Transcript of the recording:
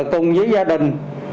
cùng với gia đình